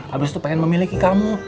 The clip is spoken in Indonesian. habis itu pengen memiliki kamu